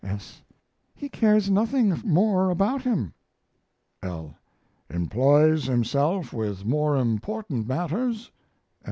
S. He cares nothing more about him. L. Employs himself with more important matters?